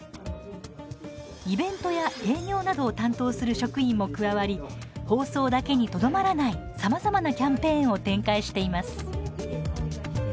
イベントや営業などを担当する職員も加わり放送だけにとどまらないさまざまなキャンペーンを展開しています。